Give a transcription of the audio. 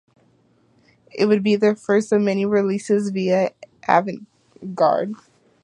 It would be their first of many releases via Avantgarde.